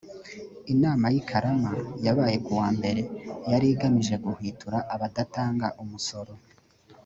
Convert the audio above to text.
inama y’i karama yabaye ku wa mbere yari igamije guhwitura abadatanga umusoro